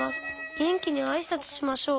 げんきにあいさつしましょう。